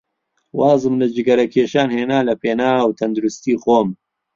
وازم لە جگەرەکێشان هێنا لەپێناو تەندروستیی خۆم.